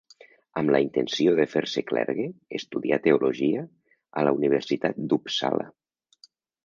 Amb la intenció de fer-se clergue, estudià teologia a la Universitat d’Uppsala.